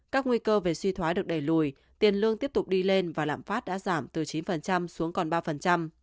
các nguy cơ về suy thoái được đẩy lùi tiền lương tiếp tục đi lên và lạm phát đã giảm từ chín xuống còn ba